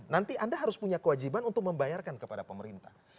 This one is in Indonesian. nanti anda harus punya kewajiban untuk membayarkan kepada pemerintah